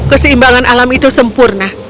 keseimbangan alam itu sempurna